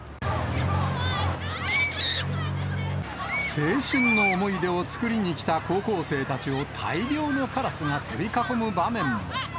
青春の思い出を作りに来た高校生たちを大量のカラスが取り囲む場面も。